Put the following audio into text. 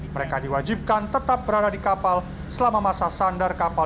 mereka diwajibkan tetap berada di kapal selama masa sandar kapal